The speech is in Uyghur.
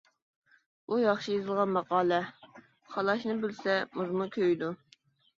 بۇ ياخشى يېزىلغان ماقالە. قالاشنى بىلسە، مۇزمۇ كۆيىدۇ.